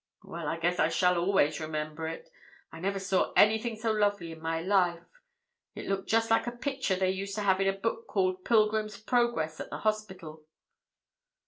"Well, I guess I shall always remember it; I never saw anything so lovely in my life. It looked just like a picture they used to have in a book called 'Pilgrim's Progress at the hospital."